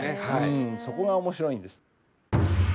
そこが面白いんです。